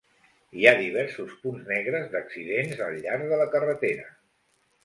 Hi ha diversos punts negres d'accidents al llarg de la carretera.